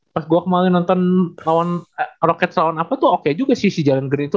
pas gue kemarin nonton roket lawan apa tuh oke juga sih si jalen green tuh